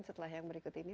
setelah yang berikut ini